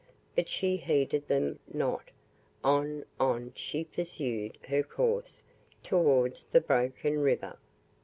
But she heeded them not on on she pursued her course towards the Broken River.